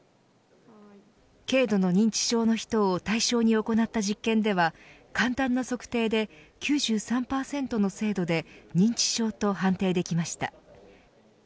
軽度の認知症の人を対象に行った実験では簡単な測定で９３％の精度で認知症と判定できました。